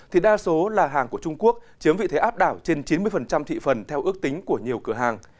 thì đa số là hàng của trung quốc chiếm vị thế áp đảo trên chín mươi thị phần theo ước tính của nhiều cửa hàng